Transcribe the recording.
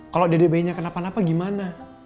kalau dede bayinya kena panapah gimana